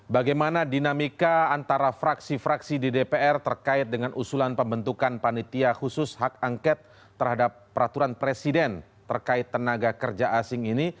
bagaimana dinamika antara fraksi fraksi di dpr terkait dengan usulan pembentukan panitia khusus hak angket terhadap peraturan presiden terkait tenaga kerja asing ini